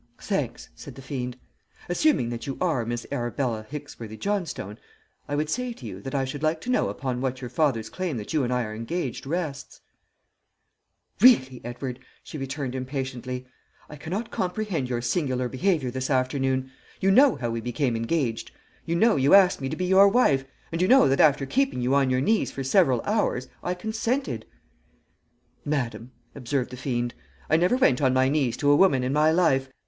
"'Thanks,' said the fiend. 'Assuming that you are Miss Arabella Hicksworthy Johnstone, I would say to you that I should like to know upon what your father's claim that you and I are engaged rests.' "'Really, Edward,' she returned impatiently, 'I cannot comprehend your singular behaviour this afternoon. You know how we became engaged. You know you asked me to be your wife, and you know that after keeping you on your knees for several hours I consented.' "'Madam,' observed the fiend, 'I never went on my knees to a woman in my life.